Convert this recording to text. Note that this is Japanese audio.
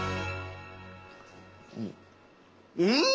うん！